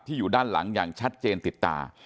อยู่ด้านหลังอย่างชัดเจนติดตา